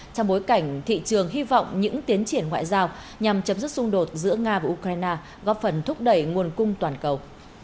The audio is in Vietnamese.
trong bối cảnh thị trường hy vọng những tiến triển ngoại giao nhằm chấm dứt xung đột giữa nga và ukraine góp phần thúc đẩy nguồn cung toàn cầu